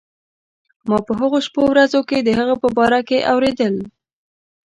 ما په هغو شپو ورځو کې د هغه په باره کې اورېدل.